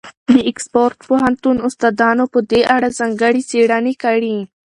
د اکسفورډ پوهنتون استادانو په دې اړه ځانګړې څېړنې کړي.